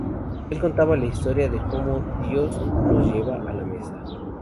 Él contaba la historia de como Dios nos lleva a la mesa.